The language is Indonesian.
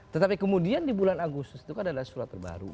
tetapi kemudian di bulan agustus itu kan ada surat terbaru